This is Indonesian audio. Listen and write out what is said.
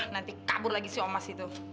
nanti kabur lagi si omas itu